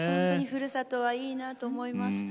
ふるさとはいいなと思います。